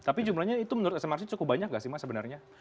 tapi jumlahnya itu menurut smrc cukup banyak gak sih mas sebenarnya